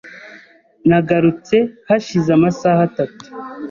Nagarutse hashize amasaha atatu .